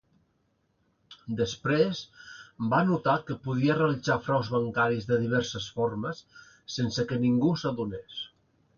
Després va notar que podia realitzar fraus bancaris de diverses formes sense que ningú s'adonés.